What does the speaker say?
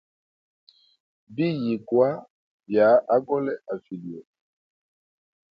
Biyigwa bya agole a vilye.